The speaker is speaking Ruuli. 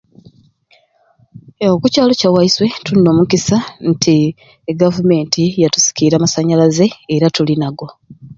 Eeeh okukyalo kyawaiswe tulina omukisa nti e gavumenti yatusikiire amasanyalaze era tuli nago.